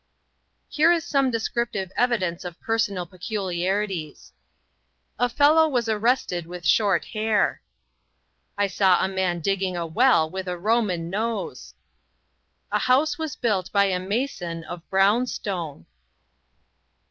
Here is some descriptive evidence of personal peculiarities: "A fellow was arrested with short hair." "I saw a man digging a well with a Roman nose." "A house was built by a mason of brown stone."